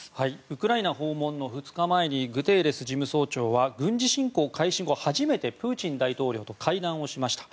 ウクライナ訪問の２日前にグテーレス事務総長は軍事侵攻開始後初めてプーチン大統領と会談をしました。